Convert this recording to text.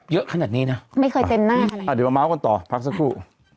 เยอะขนาดนี้นะไม่เคยเต็มหน้าขนาดเดี๋ยวมาเมาส์กันต่อพักสักครู่